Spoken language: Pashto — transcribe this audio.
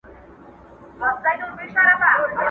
چي هر ځای به څو مرغان سره جرګه سوه؛